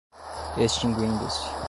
extinguindo-se